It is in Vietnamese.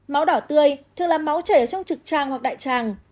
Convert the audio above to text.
máu đỏ tươi thường làm máu chảy ở trong trực tràng hoặc đại tràng